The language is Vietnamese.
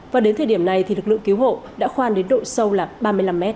và đến thời điểm này lực lượng cứu hộ đã khoan đến độ sâu ba mươi năm mét